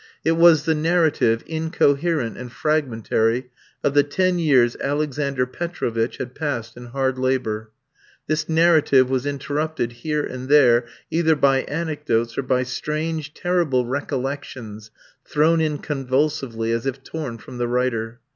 It was the narrative incoherent and fragmentary of the ten years Alexander Petrovitch had passed in hard labour. This narrative was interrupted, here and there, either by anecdotes, or by strange, terrible recollections thrown in convulsively as if torn from the writer.